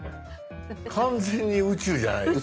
完全に宇宙じゃないですか。